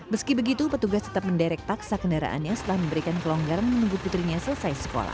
meski begitu petugas tetap menderek paksa kendaraannya setelah memberikan kelonggaran menunggu putrinya selesai sekolah